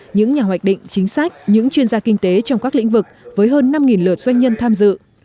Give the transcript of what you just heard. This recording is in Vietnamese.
những nhà hoạch định chính sách những chuyên gia kinh tế trong các lĩnh vực với hơn năm lượt doanh nhân tham dự